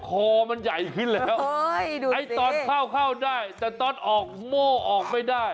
คอมันใหญ่ขึ้นแล้วไอ้ตอนเข้าเข้าได้แต่ตอนออกโม่ออกไม่ได้